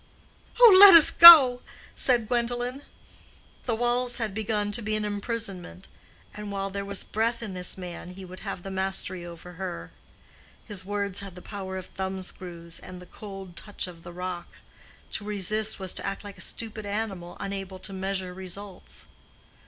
"Oh, let us go," said Gwendolen. The walls had begun to be an imprisonment, and while there was breath in this man he would have the mastery over her. His words had the power of thumb screws and the cold touch of the rock. To resist was to act like a stupid animal unable to measure results.